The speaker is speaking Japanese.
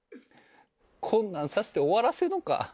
こんなんさせて終わらせんのか。